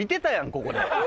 ここで。